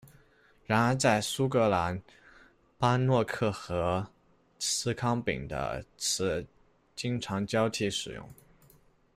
然而在苏格兰，班诺克和司康饼的词经常交替使用。